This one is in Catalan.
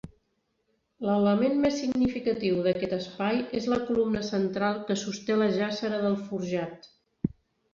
L'element més significatiu d'aquest espai és la columna central que sosté la jàssera del forjat.